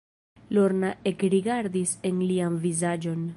Lorna ekrigardis en lian vizaĝon.